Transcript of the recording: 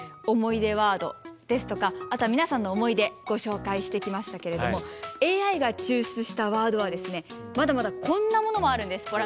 思い出ワードですとかあとは皆さんの思い出ご紹介してきましたけれどもＡＩが抽出したワードはですねまだまだこんなものもあるんです。